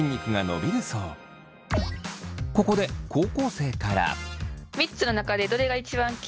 ここで高校生から。